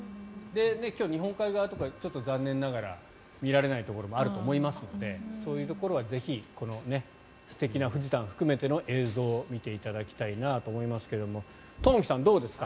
今日、日本海側とか残念ながら見られないところもあると思いますのでそういうところはぜひ素敵な富士山含めての見ていただきたいなと思いますが東輝さん、どうですか？